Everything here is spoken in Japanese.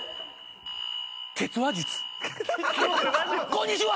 こんにちは。